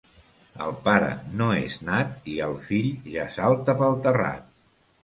El pare no és nat i el fill ja salta pel terrat.